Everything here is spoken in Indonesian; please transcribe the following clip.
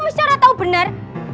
mesti orang tau bener